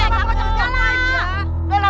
kamu jangan salah